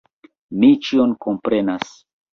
Mi ĉion komprenas!